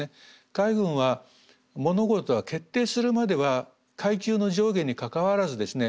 海軍は物事は決定するまでは階級の上下にかかわらずですね